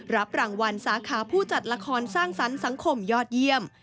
รับรางวัลสาขาผู้จัดละครสร้างสรรค์สังคมยอดเยี่ยม